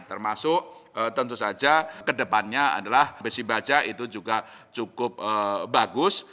termasuk tentu saja kedepannya adalah besi baja itu juga cukup bagus